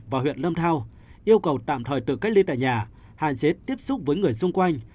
và huyện lâm thao yêu cầu tạm thời tự cách ly tại nhà hạn chế tiếp xúc với người xung quanh